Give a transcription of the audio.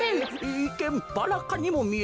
いっけんバラかにもみえるが。